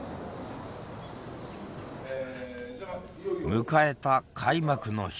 迎えた開幕の日。